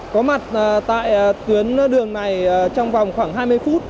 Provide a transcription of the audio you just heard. có mặt tại tuyến đường này trong vòng khoảng hai mươi phút